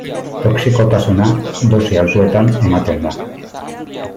Toxikotasuna, dosi altuetan ematen da.